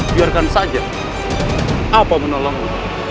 biar saja apa menolongmu